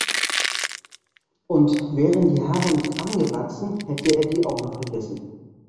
Und wären die Haare nicht angewachsen, hätte er die auch noch vergessen.